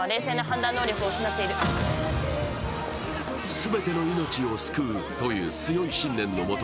全ての命を救うという強い信念のもと、